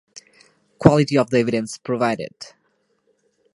Quality of the evidence provided.